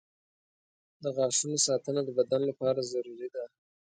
• د غاښونو ساتنه د بدن لپاره ضروري ده.